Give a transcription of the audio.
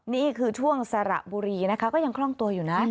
นี่คือช่วงสระบุรีนะคะก็ยังคล่องตัวอยู่นะ